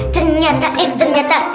ternyata eh ternyata